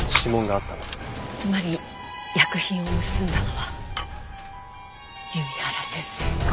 つまり薬品を盗んだのは弓原先生。